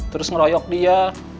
terus ngeroyok dia